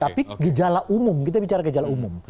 tapi gejala umum kita bicara gejala umum